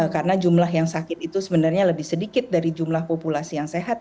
karena jumlah yang sakit itu sebenarnya lebih sedikit dari jumlah populasi yang sehat